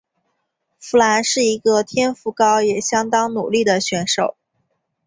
佛兰是一个天赋高也相当努力的选手。